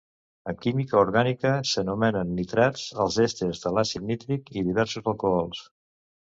En química orgànica s'anomenen nitrats als èsters de l'àcid nítric i diversos alcohols.